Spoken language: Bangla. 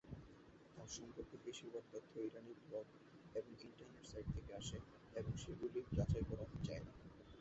তাঁর সম্পর্কে বেশিরভাগ তথ্য ইরানি ব্লগ এবং ইন্টারনেট সাইট থেকে আসে এবং সেগুলি যাচাই করা যায়নি।